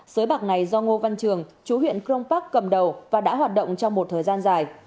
sới bạc này do ngô văn trường chú huyện crong park cầm đầu và đã hoạt động trong một thời gian dài